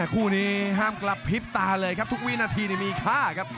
คู่นี้ห้ามกระพริบตาเลยครับทุกวินาทีมีค่าครับ